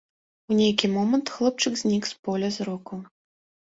У нейкі момант хлопчык знік з поля зроку.